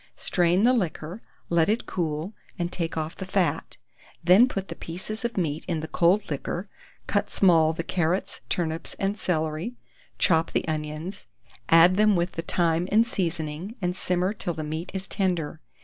Strain the liquor, let it cool, and take off the fat; then put the pieces of meat in the cold liquor; cut small the carrots, turnips, and celery; chop the onions, add them with the thyme and seasoning, and simmer till the meat is tender.